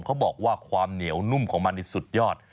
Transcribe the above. เขาบอกว่าความเหนียวนุ่มของมันนี่สุดยอด